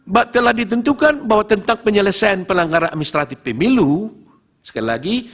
mbak telah ditentukan bahwa tentang penyelesaian pelanggaran administratif pemilu sekali lagi